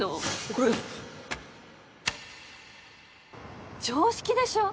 これか常識でしょ？